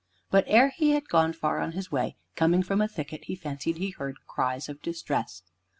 But ere he had gone far on his way, coming from a thicket he fancied that he heard cries of distress.